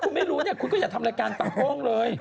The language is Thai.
ถ้าคุณไม่รู้เนี่ยคุณก็อย่าทำรายการสัมโภคเลย